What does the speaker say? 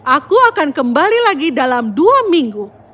aku akan kembali lagi dalam dua minggu